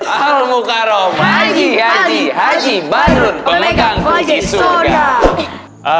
al mukarram haji haji haji badrun pemegang kunci surga